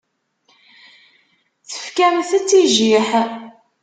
Tefkamt-tt i jjiḥ.